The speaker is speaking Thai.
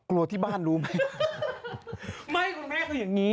กลัวที่บ้านรู้มั้ย